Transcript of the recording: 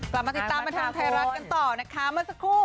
กลับมาติดตามบันเทิงไทยรัฐกันต่อนะคะเมื่อสักครู่